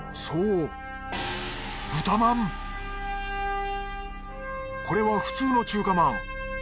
そうこれは普通の中華まん。